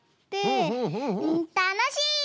たのしい！